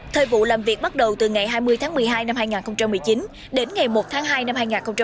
thời vụ làm việc bắt đầu từ ngày hai mươi tháng một mươi hai năm hai nghìn một mươi chín đến ngày một tháng hai năm hai nghìn hai mươi